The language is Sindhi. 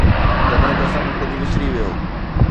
جڏهن ته سڀ ڪجهه وسري ويو.